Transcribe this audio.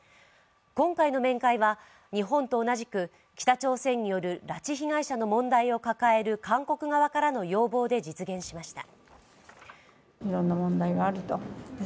今回の面会は、日本と同じく北朝鮮による拉致被害者の問題を抱える韓国側からの要望で実現しました。